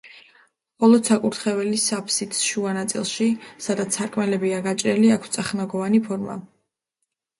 მხოლოდ საკურთხევლის აფსიდს შუა ნაწილში, სადაც სარკმლებია გაჭრილი, აქვს წახნაგოვანი ფორმა.